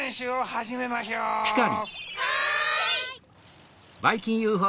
はい！